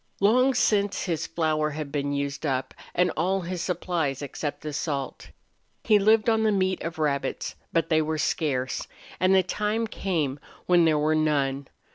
Long since his flour had been used up, and all his supplies except the salt. He lived on the meat of rabbits, but they were scarce, and the time came when there were none.